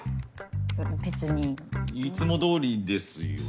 べべつに。いつもどおりですよね？